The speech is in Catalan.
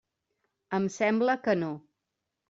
Em sembla que no.